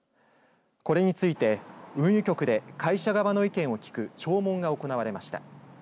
これについて運輸局で会社側の意見を聞く聴聞が行われました。